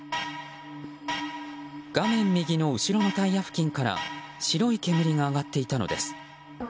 画面右の後ろのタイヤ付近から白い煙が上がっていたのです。